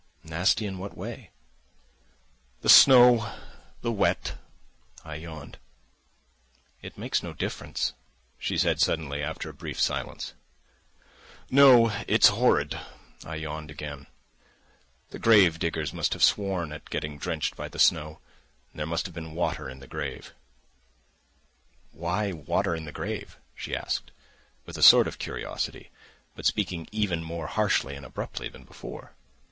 "Nasty, in what way?" "The snow, the wet." (I yawned.) "It makes no difference," she said suddenly, after a brief silence. "No, it's horrid." (I yawned again). "The gravediggers must have sworn at getting drenched by the snow. And there must have been water in the grave." "Why water in the grave?" she asked, with a sort of curiosity, but speaking even more harshly and abruptly than before.